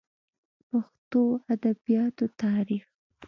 پښتو ادبياتو تاريخ